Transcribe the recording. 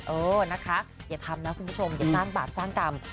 เออนะคะอย่าทำนะคุณผู้ชมอย่าสร้างบาปสร้างกรรม